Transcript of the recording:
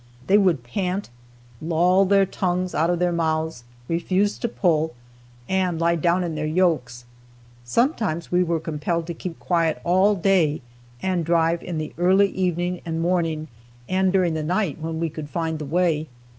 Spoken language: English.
They would pant, loll their tongues out of their mouths, refuse to pull, and lie down in their yokes. Sometimes we were compelled to keep quiet all day, and drive in the early evening and morning, and during the night when we could find the way.